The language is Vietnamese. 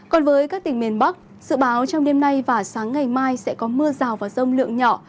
còn với các tỉnh miền bắc dự báo trong đêm nay và sáng ngày mai sẽ có mưa rào và rông lượng nhỏ